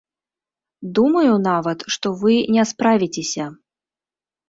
Думаю нават, што вы не справіцеся.